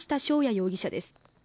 容疑者です